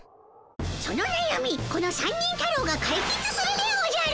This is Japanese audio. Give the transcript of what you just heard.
そのなやみこの三人太郎がかいけつするでおじゃる！